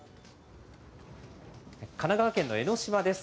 神奈川県の江の島です。